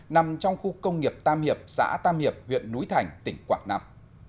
nằm trong khu công nghiệp tam hiệp xã tam hiệp huyện núi thành tỉnh quảng nam